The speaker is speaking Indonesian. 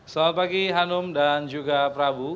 selamat pagi hanum dan juga prabu